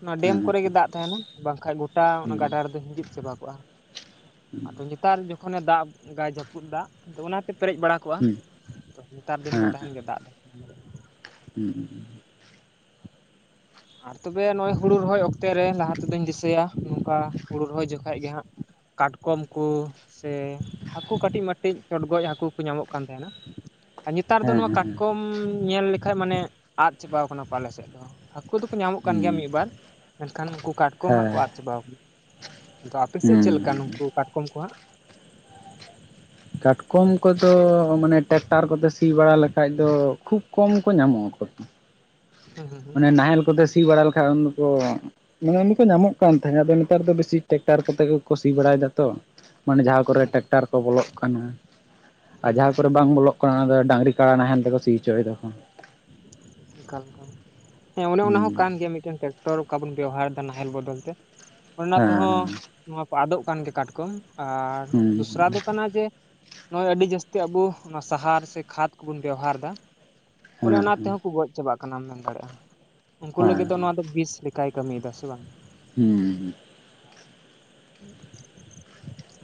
ᱚᱱᱟ ᱰᱮᱢ ᱠᱚᱨᱮ ᱜᱮ ᱫᱟᱜ ᱛᱟᱦᱮᱱᱟ ᱵᱟᱝᱠᱷᱟᱭ ᱜᱚᱴᱟ ᱚᱱᱟ ᱜᱟᱰᱟ ᱨᱮᱫᱚ ᱦᱤᱸᱡᱤᱫ ᱪᱟᱵᱟ ᱠᱚᱜᱼᱟ ᱟᱫᱚ ᱱᱮᱛᱟᱨ ᱠᱷᱚᱱᱮ ᱫᱟᱜ ᱟᱭ ᱡᱟᱹᱯᱩᱫ ᱫᱟᱜ ᱟᱫᱚ ᱚᱱᱟᱛᱮ ᱯᱮᱨᱮᱡ ᱵᱟᱲᱟ ᱟᱠᱟᱱᱟ᱾ ᱠᱚᱜᱼᱟ ᱦᱩᱸ ᱦᱩᱸ ᱛᱚ ᱱᱮᱛᱟᱨ ᱫᱤᱱ ᱫᱚ ᱦᱮᱸ ᱛᱟᱦᱮᱱ ᱜᱮᱭᱟ ᱫᱟᱜ ᱫᱚ ᱦᱩᱸ ᱦᱩᱸ᱾ ᱟᱨ ᱛᱚᱵᱮ ᱱᱚᱜᱼᱚᱭ ᱦᱩᱲᱩ ᱨᱚᱦᱚᱭ ᱚᱠᱛᱮ ᱨᱮ ᱞᱟᱦᱟ ᱛᱮᱫᱚᱧ ᱫᱤᱥᱟᱹᱭᱟ ᱱᱚᱝᱠᱟ ᱦᱩᱲᱩ ᱨᱚᱦᱚᱭ ᱡᱚᱠᱷᱚᱡ ᱜᱮ ᱦᱟᱸᱜ ᱠᱟᱴᱠᱚᱢ ᱠᱚ ᱥᱮ ᱦᱟᱹᱠᱩ ᱠᱟᱹᱴᱤᱡ ᱢᱟᱹᱴᱤᱡ ᱪᱚᱰᱜᱚᱭ ᱦᱟᱹᱠᱩ ᱠᱚ ᱧᱟᱢᱚᱜ ᱠᱟᱱ ᱛᱟᱸᱦᱮᱱᱟ᱾ ᱟᱨ ᱦᱩᱸ ᱱᱮᱛᱟᱨ ᱫᱚ ᱦᱮᱸ ᱦᱩᱸ ᱱᱚᱣᱟ ᱠᱟᱴᱠᱚᱢ ᱧᱮᱞ ᱞᱮᱠᱷᱟᱡ ᱢᱟᱱᱮ ᱟᱫ ᱪᱟᱵᱟᱣ ᱠᱟᱱᱟ ᱠᱚ ᱟᱞᱮ ᱥᱮᱫ ᱫᱚ᱾ ᱦᱟᱹᱠᱩ ᱫᱚᱠᱚ ᱧᱟᱢᱚᱜ ᱠᱟᱱ ᱜᱮᱭᱟ ᱢᱤᱫᱵᱟᱨ ᱢᱮᱱᱠᱷᱟᱱ ᱩᱱᱠᱩ ᱠᱟᱴᱠᱚᱢ ᱦᱮᱸ ᱦᱟᱜ ᱦᱩᱸ ᱠᱚ ᱟᱫᱽ ᱪᱟᱵᱟᱣ ᱠᱟᱱᱟ᱾ ᱟᱫᱚ ᱟᱯᱮᱥᱮᱫ ᱪᱮᱫ ᱦᱮᱸ ᱞᱮᱠᱟ ᱦᱩᱸ ᱱᱩᱠᱩ ᱠᱟᱴᱠᱚᱢ ᱠᱚ ᱦᱟᱸᱜ? ᱠᱟᱴᱠᱚᱢ ᱠᱚᱫᱚ ᱢᱟᱱᱮ ᱴᱨᱟᱠᱴᱟᱨ ᱠᱚᱛᱮ ᱥᱤ ᱵᱟᱲᱟ ᱞᱮᱠᱷᱟᱡ ᱫᱚ ᱠᱷᱩᱵ ᱠᱚᱢ ᱠᱚ ᱧᱟᱢᱚᱜᱼᱟᱠᱚᱼᱼ ᱦᱩᱸ ᱦᱩᱸ ᱚᱱᱮ ᱱᱟᱦᱮᱞ ᱠᱚᱛᱮ ᱥᱤ ᱵᱟᱲᱟ ᱞᱮᱠᱷᱟᱡ ᱩᱱ ᱠᱩ ᱧᱟᱢ ᱫᱚ ᱠᱚ ᱧᱟᱢᱚᱜ ᱠᱟᱱ ᱛᱟᱦᱮᱸᱫ ᱟᱫᱚ ᱱᱮᱛᱟᱨ ᱫᱚ ᱵᱮᱥᱤ ᱴᱨᱮᱠᱴᱟᱨ ᱠᱚᱛᱮ ᱠᱚ ᱠᱩᱥᱤ ᱵᱟᱲᱟᱭᱮᱫᱟ ᱛᱚ᱾ ᱢᱟᱱᱮ ᱡᱟᱦᱟᱸ ᱠᱚᱨᱮ ᱴᱨᱮᱠᱴᱟᱨ ᱠᱚ ᱵᱚᱞᱚᱜ ᱠᱟᱱᱟ ᱟᱨ ᱦᱩᱸ ᱦᱩᱸ ᱡᱟᱦᱟᱸ ᱠᱚᱨᱮ ᱵᱟᱝ ᱵᱚᱞᱚᱜ ᱠᱚᱱᱟ ᱫᱚ ᱰᱟᱝᱨᱤ ᱠᱟᱬᱟ ᱱᱟᱦᱮᱞ ᱛᱮᱠᱚ ᱥᱤ ᱦᱚᱪᱚᱭ ᱫᱟ ᱠᱚ᱾ ᱦᱮᱸ ᱚᱱᱮ ᱚᱱᱟ ᱦᱚ ᱦᱩᱸ ᱠᱟᱱ ᱜᱮᱭᱟ ᱢᱤᱫᱴᱮᱱ ᱛᱮ ᱴᱚᱨ ᱚᱠᱟ ᱵᱚᱱ ᱵᱮᱣᱦᱟᱨ ᱮᱫᱟ ᱱᱟᱦᱮᱞ ᱵᱚᱫᱚᱞ ᱛᱮ ᱚᱱᱟ ᱛᱮᱦᱚᱸ ᱦᱮᱸ ᱱᱚᱣᱟ ᱠᱚ ᱟᱫᱚᱜ ᱠᱟᱱ ᱜᱮ ᱠᱟᱴᱠᱚᱢ ᱟᱨ ᱦᱩᱸ ᱫᱚᱥᱨᱟ ᱡᱮ ᱱᱚᱜᱚᱭ ᱟᱹᱰᱤ ᱡᱟᱥᱛᱤ ᱟᱵᱚ ᱱᱚᱣᱟ ᱥᱟᱦᱟᱨ ᱥᱮ ᱠᱷᱟᱫ ᱠᱚᱵᱩᱱ ᱵᱮᱣᱦᱟᱨ ᱮᱫᱟ᱾ ᱦᱮᱸ ᱚᱱᱮ ᱚᱱᱟ ᱛᱮᱦᱚᱸ ᱠᱚ ᱜᱚᱡ ᱪᱟᱵᱟᱜ ᱠᱟᱱᱟ ᱢᱮᱱ ᱫᱟᱲᱮᱭᱟᱜ-ᱟ᱾ ᱩᱱᱠᱩ ᱦᱮᱸ ᱞᱟᱹᱜᱤᱫ ᱫᱚ ᱱᱚᱣᱟ ᱫᱚ ᱵᱤᱥ ᱠᱟᱭ ᱠᱟᱹᱢᱤᱭᱮᱫᱟ ᱥᱮ ᱵᱟᱝ᱾ ᱦᱩᱸᱦᱩᱸ᱾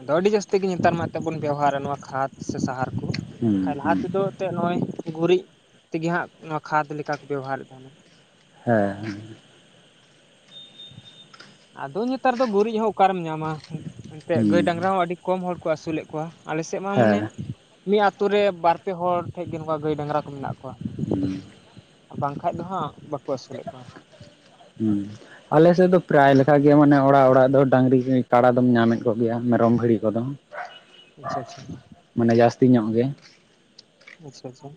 ᱟᱫᱚ ᱟᱹᱰᱤ ᱡᱟᱹᱥᱛᱤ ᱜᱮᱧ ᱱᱮᱛᱟᱨ ᱢᱟ ᱮᱱᱛᱮᱫ ᱵᱚᱱ ᱵᱮᱣᱦᱟᱨᱟ ᱱᱚᱣᱟ ᱠᱷᱟᱫ ᱥᱮ ᱥᱟᱦᱟᱨ ᱠᱚ ᱦᱩᱸ ᱵᱟᱠᱷᱟ ᱞᱟᱦᱟ ᱦᱩᱸ ᱛᱮᱫᱚ ᱮᱱᱛᱮᱫ ᱱᱚᱜ-ᱚᱭ ᱜᱩᱨᱤᱡ ᱛᱮᱜᱮ ᱦᱟᱸᱜ ᱱᱚᱣᱟ ᱠᱷᱟᱫᱽ ᱞᱮᱠᱟ ᱠᱚ ᱵᱮᱵᱚᱦᱟᱨᱮᱫ ᱛᱟᱦᱮᱱᱟ᱾ ᱦᱮᱸ ᱦᱮᱸ᱾ ᱟᱫᱚ ᱱᱮᱛᱟᱨ ᱫᱚ ᱜᱩᱨᱤᱡ ᱦᱚᱸ ᱚᱠᱟᱨᱮᱢ ᱧᱟᱢᱟ ᱮᱱᱛᱮᱫ ᱜᱟᱹᱭ ᱦᱩᱸ ᱰᱟᱝᱨᱟ ᱦᱚᱸ ᱟᱹᱰᱤ ᱠᱚᱢ ᱦᱚᱲ ᱠᱚ ᱟᱹᱥᱩᱞ ᱮᱫ ᱠᱚᱣᱟ ᱟᱞᱮ ᱥᱮᱫ ᱢᱟ ᱢᱟᱱᱮ ᱦᱮᱸ ᱢᱤᱫ ᱟᱛᱳ ᱨᱮ ᱵᱟᱨ ᱯᱮ ᱦᱚᱲ ᱴᱷᱮᱱ ᱜᱮ ᱱᱚᱝᱠᱟ ᱜᱟᱹᱭ ᱰᱟᱝᱨᱟ ᱠᱚ ᱢᱮᱱᱟᱜ ᱠᱚᱣᱟ᱾ ᱦᱩᱸ᱾ ᱵᱟᱝᱠᱟᱱᱡ ᱫᱚ ᱦᱟᱸᱜ ᱵᱟᱠᱚ ᱟᱹᱥᱩᱞᱮᱫ ᱠᱚᱣᱟ᱾ ᱦᱩᱸ᱾ ᱟᱞᱮᱥᱮᱫ ᱫᱚ ᱯᱮᱨᱟᱭ ᱞᱮᱠᱟᱜ ᱜᱮ ᱢᱟᱱᱮ ᱚᱲᱟᱜ ᱚᱲᱟᱜ ᱫᱚ ᱰᱟᱝᱨᱤ ᱠᱟᱰᱟ ᱧᱟᱢᱮᱫ ᱠᱚᱜᱮᱭᱟ ᱢᱮᱨᱚᱢ ᱵᱷᱤᱲᱤ ᱠᱚᱫᱚ [unintelligible] ᱟᱪᱪᱷᱟ ᱟᱪᱪᱷᱟ᱾ ᱢᱟᱱᱮ ᱡᱟᱹᱥᱛᱤ ᱧᱚᱜ ᱜᱮ ᱟᱪᱪᱷᱟ ᱟᱪᱪᱷᱟ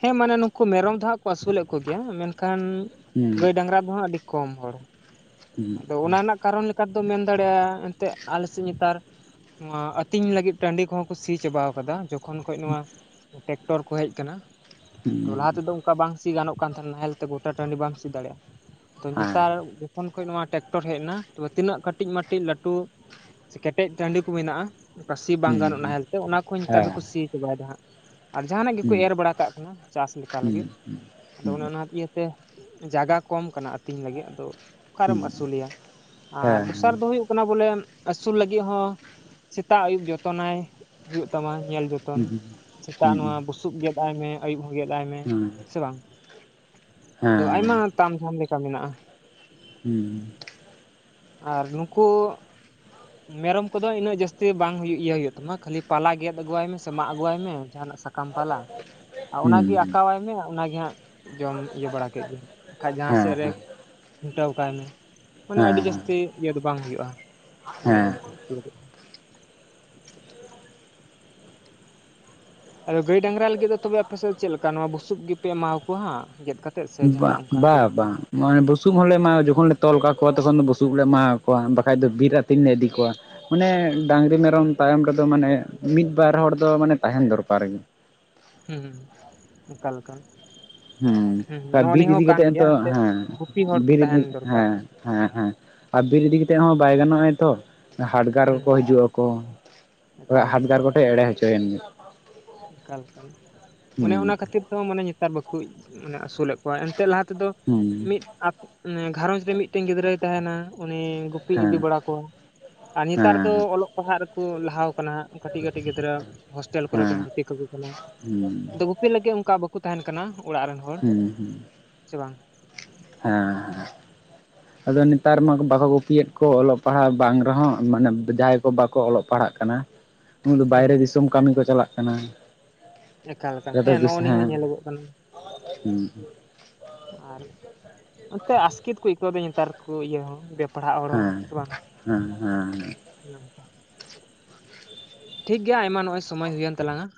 ᱦᱮᱸ ᱢᱟᱱᱮ ᱱᱩᱠᱩ ᱢᱮᱨᱚᱢ ᱫᱚ ᱦᱟᱸᱜ ᱠᱚ ᱟᱹᱥᱩᱞᱮᱫ ᱠᱚᱜᱮᱭᱟ ᱢᱮᱱᱠᱷᱟᱱ ᱦᱩᱸ ᱜᱟᱹᱭ ᱰᱟᱝᱨᱟ ᱫᱚ ᱦᱟᱸᱜ ᱟᱹᱰᱤ ᱠᱚᱢ ᱦᱚᱲ ᱦᱩᱸ ᱟᱫᱚ ᱚᱱᱟ ᱨᱮᱱᱟᱜ ᱠᱟᱨᱚᱱ ᱞᱮᱠᱟᱮᱫ ᱢᱮᱱ ᱫᱟᱲᱮᱭᱟᱜ-ᱟ ᱮᱱᱛᱮᱫ ᱟᱞᱮᱥᱮᱫ ᱱᱮᱛᱟᱨ ᱱᱚᱣᱟ ᱟᱹᱛᱤᱧ ᱞᱟᱹᱜᱤᱫ ᱴᱟᱺᱰᱤ ᱠᱚᱦᱚᱸ ᱠᱚ ᱥᱤ ᱪᱟᱵᱟᱟᱣ ᱠᱟᱫᱟ ᱡᱚᱠᱷ ᱠᱷᱚᱱ ᱠᱷᱚᱡ ᱱᱚᱣᱟ ᱴᱮᱠᱴᱚᱨ ᱠᱚ ᱦᱮᱡ ᱠᱟᱱᱟ ᱦᱩᱸ ᱛᱚ ᱞᱟᱦᱟ ᱛᱮᱫᱚ ᱠᱟ ᱵᱟᱝ ᱥᱤ ᱜᱟᱱᱚᱜ ᱠᱟᱱ ᱛᱟᱦᱮᱱᱟ ᱱᱟᱦᱮᱞ ᱛᱮ ᱜᱚᱴᱟ ᱴᱟᱺᱰᱤ ᱵᱟᱢ ᱥᱤ ᱫᱟᱲᱮᱭᱟᱜ-ᱟ ᱛᱚ ᱦᱮᱸ ᱱᱮᱛᱟᱨ ᱡᱚᱠᱷᱚᱱ ᱠᱷᱟᱡ ᱱᱚᱣᱟ ᱴᱮᱠᱴᱚᱨ ᱦᱮᱡ ᱮᱱᱟ ᱛᱚᱵᱮ ᱛᱤᱱᱟᱹᱜ ᱠᱟᱹᱴᱤᱡ ᱢᱟᱴᱤᱡ ᱞᱟᱹᱴᱩ ᱠᱮᱴᱮᱡ ᱠᱚ ᱢᱮᱱᱟᱜ-ᱟ ᱚᱱᱠᱟ ᱥᱤ ᱵᱟᱝ ᱦᱩᱸ ᱦᱮᱸ ᱦᱩᱸ ᱜᱟᱱᱚᱜ ᱱᱟᱦᱮᱞ ᱛᱮ ᱚᱱᱟ ᱠᱚ ᱱᱮᱛᱟᱨ ᱫᱚᱠᱚ ᱥᱤ ᱪᱟᱵᱟᱭᱮᱫᱟ ᱦᱟᱸᱜ᱾ ᱟᱨ ᱡᱟᱦᱟᱱᱟᱜ ᱜᱮᱠᱚ ᱮᱨ ᱵᱟᱲᱟ ᱠᱟᱜ ᱠᱟᱱᱟ ᱪᱟᱥ ᱦᱩᱸ ᱞᱮᱠᱟ ᱦᱩᱸ ᱞᱟᱹᱜᱤᱫ ᱟᱫᱚ ᱚᱱᱮ ᱦᱩᱸ ᱦᱮᱸ ᱦᱩᱸ ᱚᱱᱟ ᱤᱭᱟᱹᱛ ᱛᱮ ᱡᱟᱭᱜᱟ ᱠᱚᱢ ᱠᱟᱱᱟ ᱟᱹᱛᱤᱧ ᱞᱟᱹᱜᱤᱫ ᱟᱫᱚ ᱚᱠᱟᱨᱮᱢ ᱟᱹᱥᱩᱞᱮᱭᱟ ᱟᱨ ᱫᱚᱥᱟᱨ ᱫᱚ ᱦᱩᱭᱩᱜ ᱠᱟᱱᱟ ᱵᱚᱞᱮ ᱮᱢ ᱟᱹᱥᱩᱞ ᱞᱟᱹᱜᱤᱫ ᱦᱚᱸ ᱥᱮᱛᱟᱜ ᱟᱹᱭᱩᱵ ᱡᱚᱛᱚᱱᱟᱭ ᱦᱩᱭᱩᱜ ᱛᱟᱢᱟ ᱧᱮᱞ ᱡᱩᱫ ᱦᱩᱸ ᱦᱩᱸ ᱦᱩᱸ᱾ ᱥᱮᱛᱟᱜ ᱱᱚᱣᱟ ᱵᱩᱥᱩᱵ ᱜᱮᱫ ᱟᱭ ᱢᱮ, ᱟᱹᱭᱩᱵ ᱦᱚᱸ ᱜᱮᱫ ᱟᱭ ᱢᱮ ᱦᱮᱸ ᱥᱮ ᱵᱟᱝ᱾ ᱛᱚ ᱦᱮᱸ ᱟᱭᱢᱟ ᱛᱟᱢ ᱡᱷᱟᱢ ᱞᱮᱠᱟ ᱢᱮᱱᱟᱜ-ᱟ᱾ ᱦᱩᱸ᱾ ᱟᱨ ᱱᱩᱠᱩ ᱟᱨ [unintelligible] ᱢᱮᱨᱚᱢ ᱠᱚᱫᱚ ᱤᱱᱟᱹᱜ ᱡᱟᱹᱥᱛᱤ ᱵᱟᱝ ᱦᱩᱭᱩᱜ ᱤᱭᱟᱹ ᱦᱩᱭᱩᱜ ᱛᱟᱢᱟ ᱠᱷᱟᱹᱞᱤ ᱯᱟᱞᱟ ᱜᱮᱫ ᱟᱹᱜᱩᱭᱟᱭ ᱢᱮ ᱥᱮ ᱢᱟᱜ ᱟᱹᱜᱩᱭᱟᱭ ᱢᱮ ᱡᱟᱦᱟᱱᱟᱜ ᱥᱟ ᱠᱟᱢ ᱯᱟᱞᱟ ᱚᱱᱟᱜᱮ ᱦᱩᱸ ᱟᱠᱟᱸᱠᱟᱣᱟᱭ ᱢᱮ ᱚᱱᱟᱜᱮ ᱦᱟᱸᱜ ᱡᱚᱢ ᱤᱭᱟᱹ ᱵᱟᱲᱟ ᱠᱮᱫ ᱜᱮᱭ ᱵᱟᱠᱷᱟᱡ ᱡᱟᱦᱟᱸ ᱦᱮᱸ ᱥᱮᱫ ᱨᱮ ᱠᱷᱩᱱᱴᱟᱹᱣ ᱠᱟᱭ ᱢᱮ᱾ ᱢᱟᱱᱮ ᱟᱹᱰᱤ ᱦᱮᱸ ᱦᱮᱸ᱾ ᱡᱟᱹᱥᱛᱤ ᱤᱭᱟᱹ ᱫᱚ ᱵᱟᱝ ᱦᱩᱭᱩᱜ-ᱟ ᱢᱮᱨᱚᱢ ᱩᱠᱩ ᱞᱟᱜᱤᱫ ᱫᱚ ᱟᱫᱚ ᱜᱟᱹᱭ ᱰᱟᱸᱝᱨᱟ ᱞᱟᱹᱜᱤᱫ ᱫᱚ ᱛᱚᱵᱮ ᱟᱯᱮᱥᱮᱜ ᱪᱮᱜ ᱞᱮᱠᱟ ᱱᱚᱣᱟ ᱵᱩᱥᱩᱵ ᱜᱤᱯᱮ ᱮᱢᱟᱣ ᱠᱚᱣᱟ ᱦᱟᱸᱜ ᱜᱮᱫ ᱠᱟ ᱛᱮᱫ ᱥᱮ ᱦᱮᱸ ᱵᱟ ᱡᱟᱦᱟᱱᱟᱜ ᱚᱝᱠᱟ ᱵᱟ ᱫᱳᱥ ᱵᱟᱝ ᱠᱟᱱᱟ ᱢᱟᱱᱮ ᱵᱩᱥᱩᱵ ᱦᱚᱸᱞᱮ ᱮᱢᱟ ᱡᱚᱠᱷᱚᱱ ᱞᱮ ᱛᱚᱞ ᱠᱟ ᱠᱚᱣᱟ ᱛᱚᱠᱷᱚᱱ ᱫᱚ ᱵᱩᱥᱩᱵ ᱞᱮ ᱮᱢᱟ ᱠᱚᱣᱟ ᱵᱟᱠᱷᱟᱡ ᱫᱚ ᱵᱤᱨ ᱟᱛᱤᱧ ᱞᱮ ᱤᱫᱤ ᱠᱚᱣᱟ᱾ ᱢᱟᱱᱮ ᱰᱟᱸᱝᱨᱤ ᱢᱮᱨᱚᱢ ᱛᱟᱭᱚᱢ ᱨᱮᱫᱚ ᱢᱟᱱᱮ ᱢᱤᱫ ᱵᱟᱨ ᱦᱚᱲ ᱫᱚ ᱢᱟᱱᱮ ᱛᱟᱦᱮᱱ ᱫᱚᱨᱠᱟᱨ ᱜᱤ᱾ ᱦᱩᱸ ᱚᱠᱟ ᱞᱮᱠᱟ᱾ ᱦᱩᱸ ᱟ ᱱᱚᱜᱼᱚ ᱵᱤᱨ ᱱᱤᱭᱟᱹ ᱦᱚᱸ ᱤᱫᱤ ᱠᱟᱱ ᱠᱟᱛᱮᱜ ᱜᱮᱭᱟ ᱦᱚᱸᱛᱚ ᱮᱱᱛᱮᱫ ᱦᱮᱸ ᱜᱩᱯᱤ ᱦᱚᱲ ᱠᱚ ᱵᱤᱨ ᱤᱫᱤ ᱛᱟᱦᱮᱱ ᱫᱚᱨᱠᱟᱨ ᱦᱮᱸ᱾ ᱦᱮᱸ ᱦᱮᱸ ᱟᱨ ᱵᱤᱨ ᱤᱫᱤ ᱠᱟᱛᱮᱜ ᱦᱚᱸ ᱵᱟᱭ ᱜᱟᱱᱚᱜ-ᱟᱭ ᱛᱚ᱾ ᱦᱟᱰᱜᱟᱨ ᱦᱩᱸ ᱠᱚᱠᱚ ᱦᱤᱡᱩᱜ ᱟᱠᱚ ᱦᱳᱭ ᱮᱠᱟᱞ ᱦᱟᱰᱜᱟᱨ ᱠᱚᱴᱷᱮᱡ ᱮᱲᱮ ᱦᱚᱪᱚᱭᱮᱱ ᱜᱮ᱾ ᱚᱝᱠᱟ ᱞᱮᱠᱟᱱ ᱚᱱᱮ ᱦᱩᱸ ᱚᱱᱟ ᱠᱷᱟᱛᱤᱨ ᱛᱮᱦᱚᱸ ᱢᱟᱱᱮ ᱦᱮᱸᱛᱟᱨ ᱵᱟᱠᱩ ᱢᱟᱱᱮ ᱟᱥᱩᱞᱮᱜ᱾ ᱠᱚᱣᱟᱭ ᱮᱱᱛᱮ ᱞᱟᱦᱟ ᱛᱮᱫᱚ ᱦᱩᱸ ᱢᱤᱫ ᱟᱛ ᱜᱷᱟᱸᱨᱚᱧᱡᱽ ᱨᱮ ᱢᱤᱜᱴᱮᱝ ᱜᱤᱫᱽᱨᱟᱹᱭ ᱛᱟᱦᱮᱱᱟ᱾ ᱩᱱᱤ ᱜᱩᱯᱤ ᱦᱮᱸ ᱤᱫᱤ ᱵᱟᱲᱟ᱾ ᱠᱚᱣᱟ ᱟᱨ ᱱᱮᱛᱟᱨ ᱫᱚ ᱦᱮᱸ ᱚᱞᱚᱜ ᱯᱟᱲᱦᱟᱜ ᱨᱮᱠᱩ ᱞᱟᱦᱟᱣ ᱠᱟᱱᱟ ᱦᱟᱸᱜ ᱠᱟᱴᱤᱜ ᱠᱟᱴᱤᱜ ᱜᱤᱫᱽᱨᱟᱹ ᱦᱚ ᱠᱚᱨᱮ ᱠᱩ ᱦᱮᱸ ᱵᱷᱚᱨᱛᱤ ᱠᱟᱠᱩ ᱠᱟᱱᱟ ᱦᱩᱸ ᱟᱫᱚ ᱠᱩ᱾ ᱯᱤᱜ ᱞᱟᱹᱜᱤᱜ ᱚᱝᱠᱟ ᱵᱟᱹᱠᱩ ᱛᱟᱦᱮᱱ ᱠᱟᱱᱟ ᱚᱲᱟᱜ ᱨᱮᱱ ᱦᱚᱲ ᱦᱩᱸ ᱦᱩᱸ ᱥᱮ ᱵᱟᱝ᱾ ᱦᱮᱸ ᱦᱮᱸ᱾ ᱟᱫᱚ ᱱᱮᱛᱟᱨ ᱢᱟ ᱵᱟᱠᱚ ᱜᱩᱯᱤᱭᱮᱫ ᱠᱚ ᱚᱞᱚᱜ ᱯᱟᱲᱦᱟᱣ ᱵᱟᱝ ᱨᱮᱦᱚᱸ ᱢᱟᱱᱮ ᱡᱟᱸᱦᱟᱭ ᱠᱚ ᱵᱟᱠᱚ ᱚᱞᱚᱜ ᱯᱟᱲᱦᱟᱜ ᱠᱟᱱᱟ᱾ ᱩᱱ ᱫᱚ ᱦᱩᱸ ᱵᱟᱭᱨᱮ ᱦᱩᱸ ᱫᱤᱥᱚᱢ ᱠᱟᱢᱤ ᱠᱚ ᱪᱟᱞᱟᱜ ᱠᱟᱱᱟ᱾ ᱮᱠᱟᱞ ᱮᱠᱟᱞ ᱦᱮᱸ ᱱᱚᱜ ᱱᱤᱭᱟᱹ ᱦᱚᱸ ᱧᱮᱞᱚᱜᱚᱜ ᱠᱟᱱᱟ᱾ ᱦᱩᱸ᱾ ᱟᱨ ᱮᱱᱛᱮ ᱟᱥᱠᱮᱛ ᱠᱚ ᱟᱹᱭᱠᱟᱹᱣᱫᱟ ᱱᱮᱛᱟᱨ ᱠᱚ ᱤᱭᱟᱹ ᱦᱚᱸ ᱵᱮ ᱯᱟᱲᱦᱟᱜ ᱦᱚᱲ ᱦᱚᱸ ᱦᱮᱸ ᱥᱮ ᱵᱟᱝ᱾ ᱦᱮᱸ ᱦᱮᱸ ᱴᱷᱤᱠ ᱜᱮᱭᱟ ᱟᱭᱢᱟ ᱱᱚᱜ-ᱚᱭ ᱥᱚᱢᱚᱭ ᱦᱩᱭᱮᱱ ᱛᱟᱞᱟᱝ-ᱟ᱾